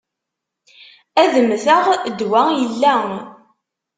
Ad mmteɣ, ddwa illa.